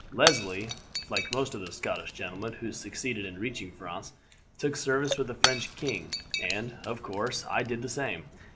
"Leslie, like most of the Scottish gentlemen who succeeded in reaching France, took service with the French king, and, of course, I did the same.